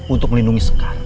untuk melindungi sekar